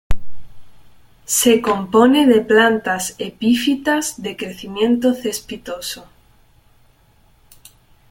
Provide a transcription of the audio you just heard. Se compone de plantas epífitas de crecimiento cespitoso.